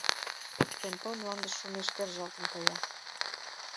Шем пыл мландыш шумеш кержалтын кая.